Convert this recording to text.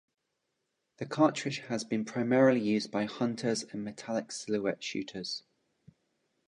The cartridge has been primarily used by hunters and metallic silhouette shooters.